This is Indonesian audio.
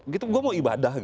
gue mau ibadah